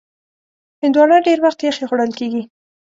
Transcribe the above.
هندوانه ډېر وخت یخې خوړل کېږي.